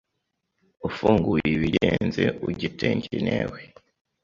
ufunguye ibigenze ugetenge newe